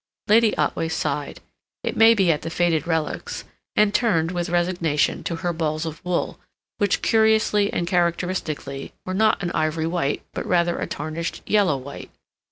Lady Otway sighed, it may be at the faded relics, and turned, with resignation, to her balls of wool, which, curiously and characteristically, were not an ivory white, but rather a tarnished yellow white.